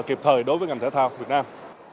kịp thời đối với ngành thể thao việt nam